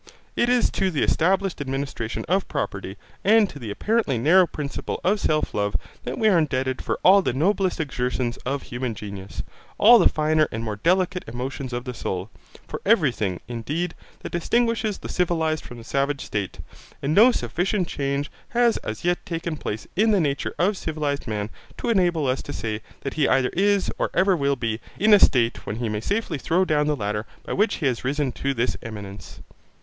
It is to the established administration of property and to the apparently narrow principle of self love that we are indebted for all the noblest exertions of human genius, all the finer and more delicate emotions of the soul, for everything, indeed, that distinguishes the civilized from the savage state; and no sufficient change has as yet taken place in the nature of civilized man to enable us to say that he either is, or ever will be, in a state when he may safely throw down the ladder by which he has risen to this eminence.